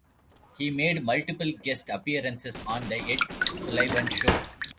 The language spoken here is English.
He made multiple guest appearances on "The Ed Sullivan Show".